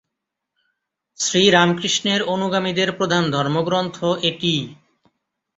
শ্রীরামকৃষ্ণের অনুগামীদের প্রধান ধর্মগ্রন্থ এটিই।